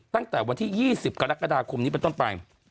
ตั้งแต่วันที่๒๐กรกฎาคมนี้เป็นต้นไป